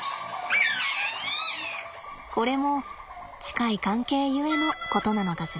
これも近い関係ゆえのことなのかしらね。